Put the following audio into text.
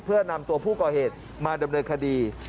เพื่อนำตัวผู้ก่อเหตุมาดำเนินคดี